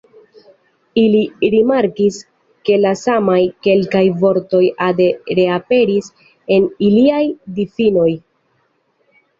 Ili rimarkis, ke la samaj kelkaj vortoj ade reaperis en iliaj difinoj.